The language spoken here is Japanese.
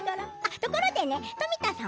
ところで富田さん